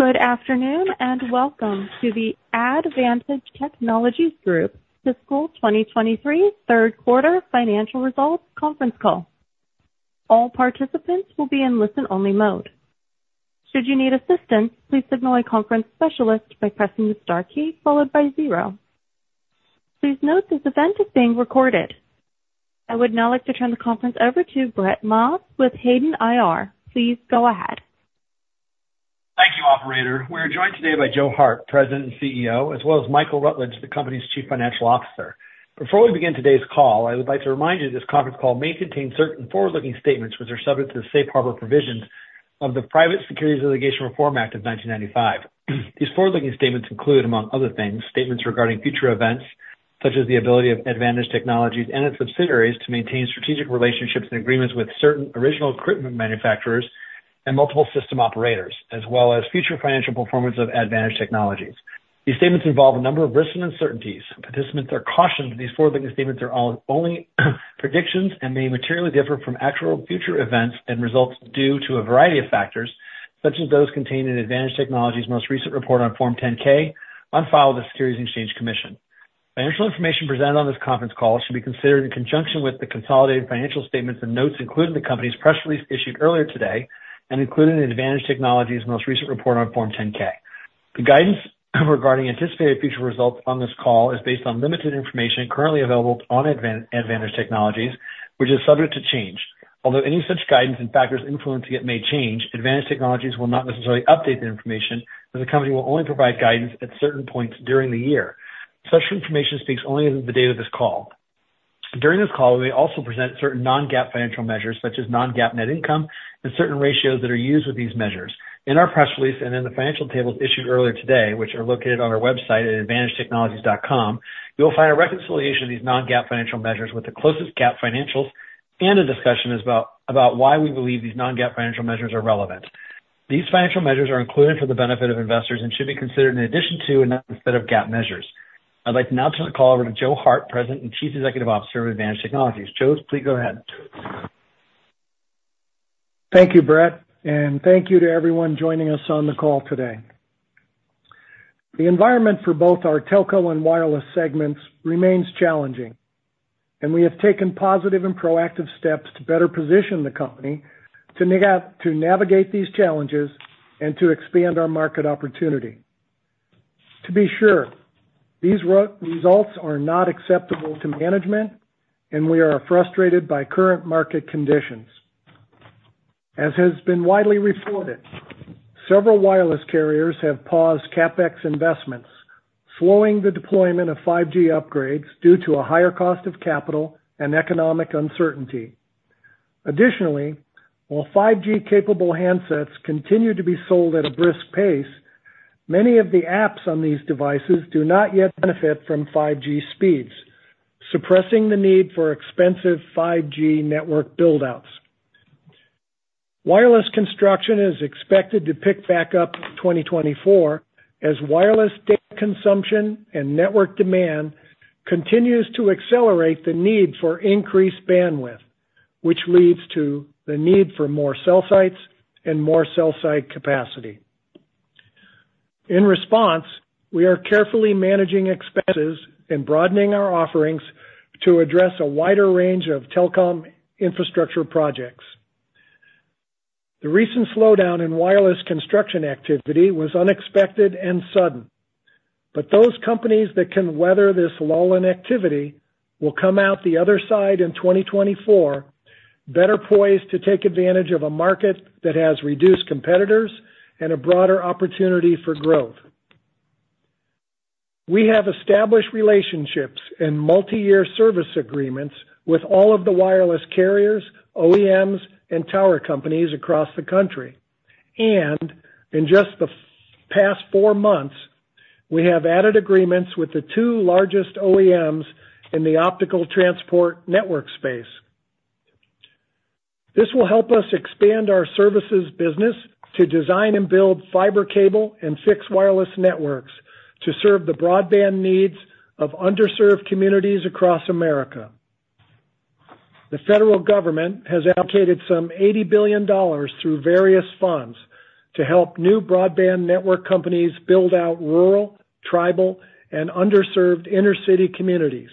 Good afternoon, and welcome to the ADDvantage Technologies Group Fiscal 2023 Q3 Financial Results Conference Call. All participants will be in listen-only mode. Should you need assistance, please signal a conference specialist by pressing the star key followed by zero. Please note this event is being recorded. I would now like to turn the conference over to Brett Maas with Hayden IR. Please go ahead. Thank you, operator. We are joined today by Joe Hart, President and CEO, as well as Michael Rutledge, the company's Chief Financial Officer. Before we begin today's call, I would like to remind you this conference call may contain certain forward-looking statements, which are subject to the safe harbor provisions of the Private Securities Litigation Reform Act of 1995. These forward-looking statements include, among other things, statements regarding future events, such as the ability of ADDvantage Technologies and its subsidiaries to maintain strategic relationships and agreements with certain original equipment manufacturers and multiple system operators, as well as future financial performance of ADDvantage Technologies. These statements involve a number of risks and uncertainties. Participants are cautioned that these forward-looking statements are all only predictions and may materially differ from actual future events and results due to a variety of factors, such as those contained in ADDvantage Technologies' most recent report on Form 10-K on file with the Securities and Exchange Commission. Financial information presented on this conference call should be considered in conjunction with the consolidated financial statements and notes, including the company's press release issued earlier today, and including the ADDvantage Technologies' most recent report on Form 10-K. The guidance regarding anticipated future results on this call is based on limited information currently available on ADDvantage Technologies, which is subject to change. Although any such guidance and factors influencing it may change, ADDvantage Technologies will not necessarily update the information, and the company will only provide guidance at certain points during the year. Such information speaks only as of the date of this call. During this call, we may also present certain non-GAAP financial measures, such as non-GAAP net income and certain ratios that are used with these measures. In our press release and in the financial tables issued earlier today, which are located on our website at ADDvantage Technologies dot com, you'll find a reconciliation of these non-GAAP financial measures with the closest GAAP financials and a discussion about why we believe these non-GAAP financial measures are relevant. These financial measures are included for the benefit of investors and should be considered in addition to and not instead of GAAP measures. I'd like to now turn the call over to Joe Hart, President and Chief Executive Officer of ADDvantage Technologies. Joe, please go ahead. Thank you, Brett, and thank you to everyone joining us on the call today. The environment for both our telco and wireless segments remains challenging, and we have taken positive and proactive steps to better position the company to navigate these challenges and to expand our market opportunity. To be sure, these results are not acceptable to management, and we are frustrated by current market conditions. As has been widely reported, several wireless carriers have paused CapEx investments, slowing the deployment of 5G upgrades due to a higher cost of capital and economic uncertainty. Additionally, while 5G-capable handsets continue to be sold at a brisk pace, many of the apps on these devices do not yet benefit from 5G speeds, suppressing the need for expensive 5G network build-outs. Wireless construction is expected to pick back up in 2024, as wireless data consumption and network demand continues to accelerate the need for increased bandwidth, which leads to the need for more cell sites and more cell site capacity. In response, we are carefully managing expenses and broadening our offerings to address a wider range of telecom infrastructure projects. The recent slowdown in wireless construction activity was unexpected and sudden, but those companies that can weather this lull in activity will come out the other side in 2024, better poised to take advantage of a market that has reduced competitors and a broader opportunity for growth. We have established relationships and multiyear service agreements with all of the wireless carriers, OEMs, and tower companies across the country, and in just the past 4 months, we have added agreements with the 2 largest OEMs in the Optical Transport Network space. This will help us expand our services business to design and build fiber cable and fixed wireless networks to serve the broadband needs of underserved communities across America. The federal government has allocated some $80 billion through various funds to help new broadband network companies build out rural, tribal, and underserved inner-city communities.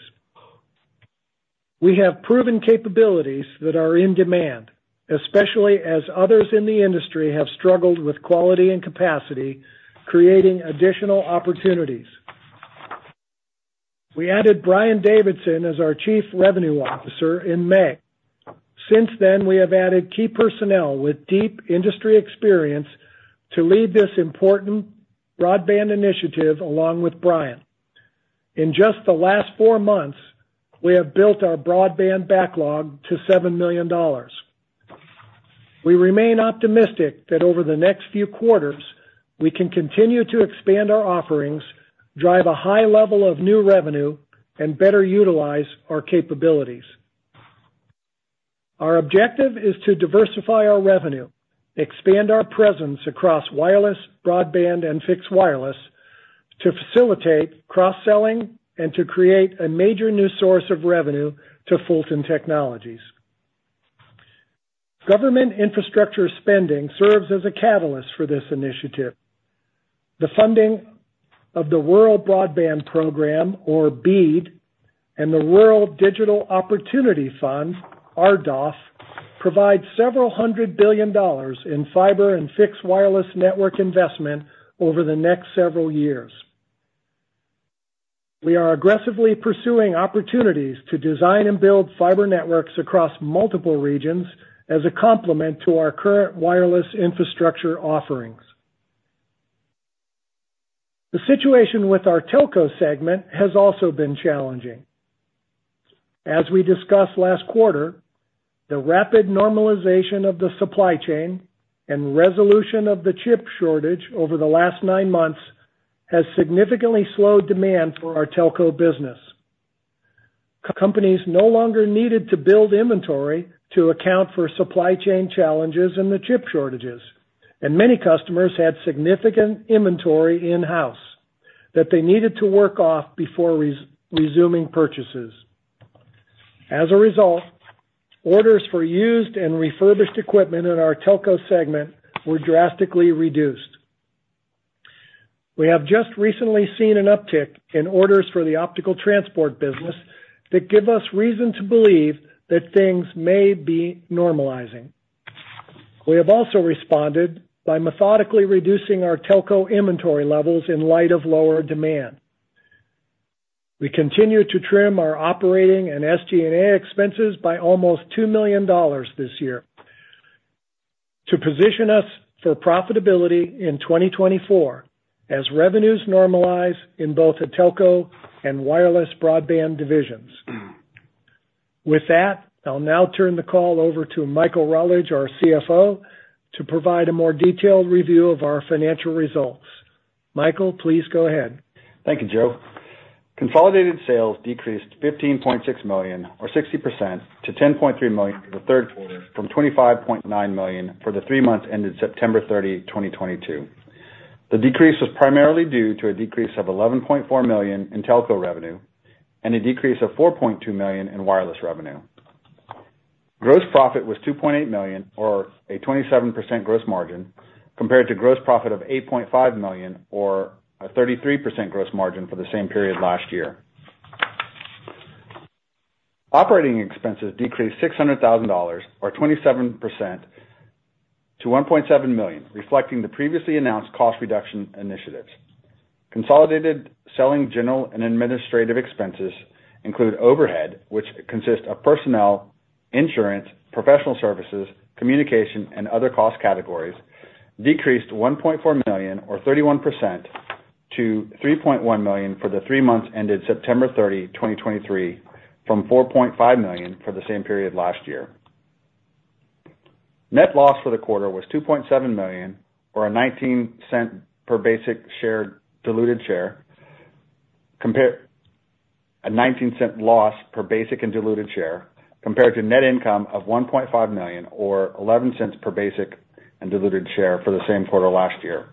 We have proven capabilities that are in demand, especially as others in the industry have struggled with quality and capacity, creating additional opportunities. We added Brian Davidson as our chief revenue officer in May. Since then, we have added key personnel with deep industry experience to lead this important broadband initiative, along with Brian. In just the last four months, we have built our broadband backlog to $7 million. We remain optimistic that over the next few quarters, we can continue to expand our offerings, drive a high level of new revenue, and better utilize our capabilities. Our objective is to diversify our revenue, expand our presence across wireless, broadband, and fixed wireless-... to facilitate cross-selling and to create a major new source of revenue to Fulton Technologies. Government infrastructure spending serves as a catalyst for this initiative. The funding of the Broadband Equity, Access, and Deployment Program, or BEAD, and the Rural Digital Opportunity Fund, RDOF, provide several hundred billion dollars in fiber and fixed wireless network investment over the next several years. We are aggressively pursuing opportunities to design and build fiber networks across multiple regions as a complement to our current wireless infrastructure offerings. The situation with our telco segment has also been challenging. As we discussed last quarter, the rapid normalization of the supply chain and resolution of the chip shortage over the last nine months has significantly slowed demand for our telco business. Companies no longer needed to build inventory to account for supply chain challenges and the chip shortages, and many customers had significant inventory in-house that they needed to work off before resuming purchases. As a result, orders for used and refurbished equipment in our telco segment were drastically reduced. We have just recently seen an uptick in orders for the optical transport business that give us reason to believe that things may be normalizing. We have also responded by methodically reducing our telco inventory levels in light of lower demand. We continue to trim our operating and SG&A expenses by almost $2 million this year, to position us for profitability in 2024 as revenues normalize in both the telco and wireless broadband divisions. With that, I'll now turn the call over to Michael Rutledge, our CFO, to provide a more detailed review of our financial results. Michael, please go ahead. Thank you, Joe. Consolidated sales decreased to $15.6 million, or 60%, to $10.3 million for the Q3, from $25.9 million for the three months ended September 30, 2022. The decrease was primarily due to a decrease of $11.4 million in telco revenue and a decrease of $4.2 million in wireless revenue. Gross profit was $2.8 million, or a 27% gross margin, compared to gross profit of $8.5 million, or a 33% gross margin for the same period last year. Operating expenses decreased $600,000, or 27%, to $1.7 million, reflecting the previously announced cost reduction initiatives. Consolidated selling, general, and administrative expenses include overhead, which consists of personnel, insurance, professional services, communication, and other cost categories, decreased $1.4 million, or 31%, to $3.1 million for the three months ended September 30, 2023, from $4.5 million for the same period last year. Net loss for the quarter was $2.7 million, or a $0.19 loss per basic and diluted share, compared to net income of $1.5 million, or $0.11 per basic and diluted share for the same quarter last year.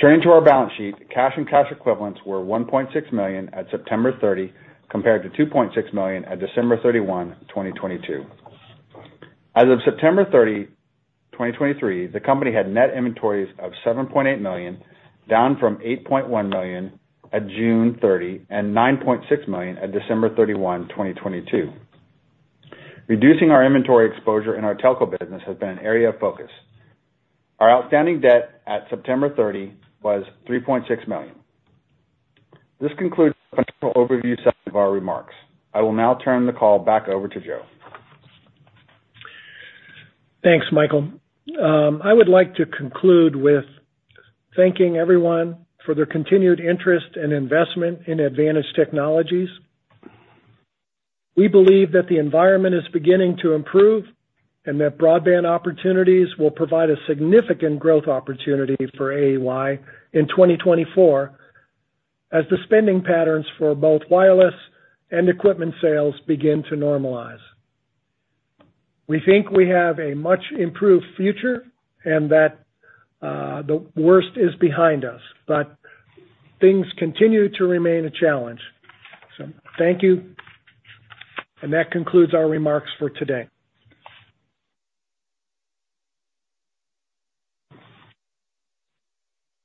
Turning to our balance sheet, cash and cash equivalents were $1.6 million at September 30, compared to $2.6 million at December 31, 2022. As of September 30, 2023, the company had net inventories of $7.8 million, down from $8.1 million at June 30 and $9.6 million at December 31, 2022. Reducing our inventory exposure in our telco business has been an area of focus. Our outstanding debt at September 30 was $3.6 million. This concludes the overview section of our remarks. I will now turn the call back over to Joe. Thanks, Michael. I would like to conclude with thanking everyone for their continued interest and investment in ADDvantage Technologies. We believe that the environment is beginning to improve, and that broadband opportunities will provide a significant growth opportunity for AEY in 2024, as the spending patterns for both wireless and equipment sales begin to normalize. We think we have a much improved future and that, the worst is behind us, but things continue to remain a challenge. So thank you, and that concludes our remarks for today.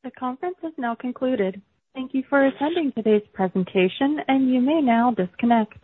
The conference is now concluded. Thank you for attending today's presentation, and you may now disconnect.